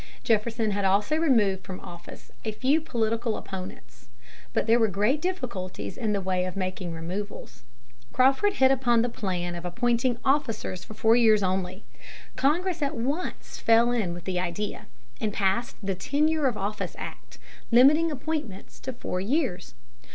Jefferson had also removed from office a few political opponents (p. 187). But there were great difficulties in the way of making removals. Crawford hit upon the plan of appointing officers for four years only. Congress at once fell in with the idea and passed the Tenure of Office Act, limiting appointments to four years.